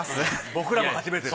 僕らも初めてです。